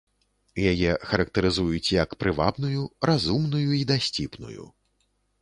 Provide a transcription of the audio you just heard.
Яе характарызуюць, як прывабную, разумную і дасціпную.